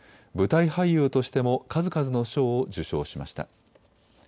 舞台俳優としても数々の賞を受賞しました。